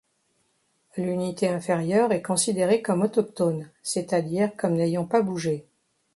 L’unité inférieure est considérée comme autochtone, c’est-à-dire comme n’ayant pas bougé.